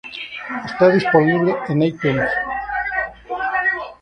Está disponible en iTunes.